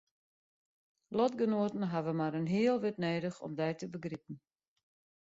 Lotgenoaten hawwe mar in heal wurd nedich om dy te begripen.